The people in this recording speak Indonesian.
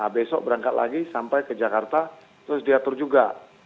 besok berangkat lagi sampai ke jakarta terus diatur juga